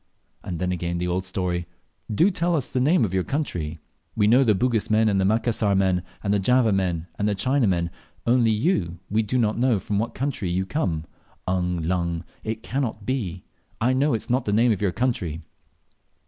And then again the old story, "Do tell us the name of your country. We know the Bugis men, and the Macassar men, and the Java men, and the China men; only you, we don't know from what country you come. Ung lung! it can't be; I know that is not the name of your country."